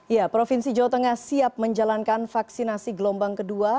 ya provinsi jawa tengah siap menjalankan vaksinasi gelombang kedua